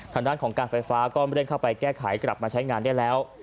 ฐันทะนของการไฟฟ้าก็ไม่เล่นเข้าไปแก้ไขกลับมาใช้งานด้วยแล้ว